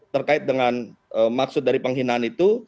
terkait dengan maksud dari penghinaan itu